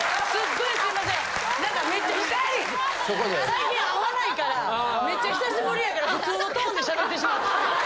最近会わないからめっちゃ久しぶりやから普通のトーンでしゃべってしまった。